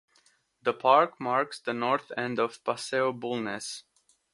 The park marks the north end of the Paseo Bulnes.